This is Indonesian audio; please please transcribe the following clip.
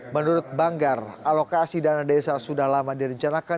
menurut banggar alokasi dana desa sudah lama direncanakan